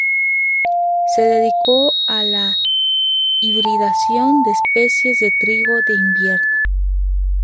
Se dedicó a la hibridación de especies de trigo de invierno.